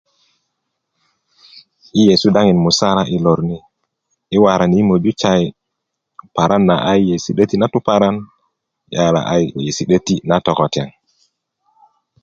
i yesu daŋin musala i lor ni i waran na yi möju sayi paran na a yi' nyesi' 'deti na tuparan yala a yi nyesi 'deti na tokotiaŋ